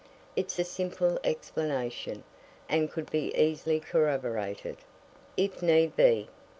It's a simple explanation, and could be easily corroborated, if need be.